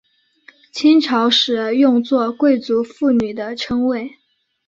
清朝时用作贵族妇女的称谓。